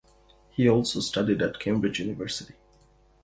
He also studied at Cambridge University.